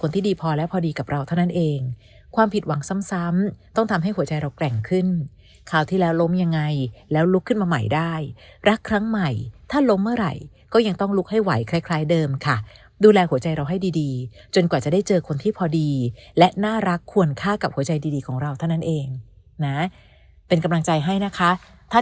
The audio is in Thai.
ที่ดีพอและพอดีกับเราเท่านั้นเองความผิดหวังซ้ำต้องทำให้หัวใจเราแกร่งขึ้นคราวที่แล้วล้มยังไงแล้วลุกขึ้นมาใหม่ได้รักครั้งใหม่ถ้าล้มเมื่อไหร่ก็ยังต้องลุกให้ไหวคล้ายคล้ายเดิมค่ะดูแลหัวใจเราให้ดีดีจนกว่าจะได้เจอคนที่พอดีและน่ารักควรฆ่ากับหัวใจดีของเราเท่านั้นเองนะเป็นกำลังใจให้นะคะถ้า